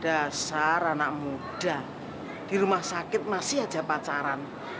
dari masa itu anak muda di rumah sakit masih saja pacaran